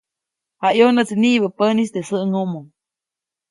Jayʼonäʼtsi niʼibä päʼnis teʼ säʼŋomo.